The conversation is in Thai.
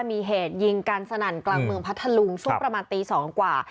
มีเหตุยิงกันสนั่นกลางเมืองพัทธลุงช่วงประมาณตี๒กว่า